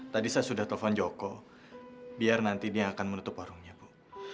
tadi saya sudah telepon joko biar nanti dia akan menutup warungnya bu